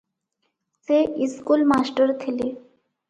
ସେ school master ଥିଲେ ।